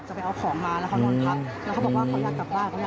ใช่ค่ะอยากรู้ข้อมูลอันนี้